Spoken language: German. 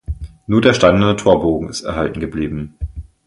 Nur der steinerne Torbogen ist erhalten geblieben.